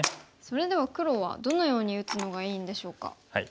それでは黒はどのように打つのがいいんでしょうか。